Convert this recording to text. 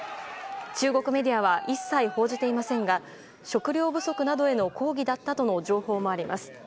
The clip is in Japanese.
中国メディアは一切報じていませんが食糧不足などへの抗議だったとの情報もあります。